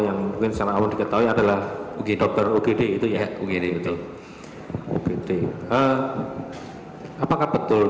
hai apakah betul dokter pada